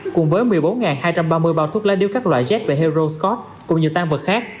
cùng với một mươi bốn hai trăm ba mươi bao thuốc lá điếu các loại z và heroscott cùng nhiều tan vật khác